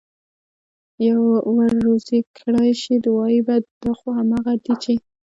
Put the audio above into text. ور روزي كړى شي، وايي به: دا خو همغه دي چې: